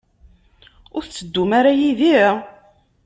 Ur tetteddum ara yid-i?